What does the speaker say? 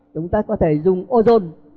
chúng ta có thể dùng ozone